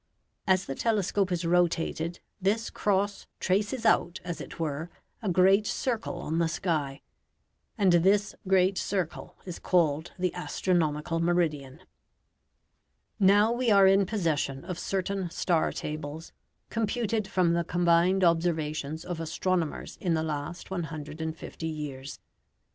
As the telescope is rotated this cross traces out, as it were, a great circle on the sky; and this great circle is called the astronomical meridian. Now we are in possession of certain star tables, computed from the combined observations of astronomers in the last 150 years.